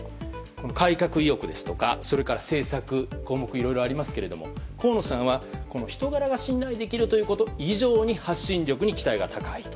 改革意欲ですとかそれから政策など項目いろいろありますけど河野さんは人柄が信頼できること以上に発信力に期待が高いと。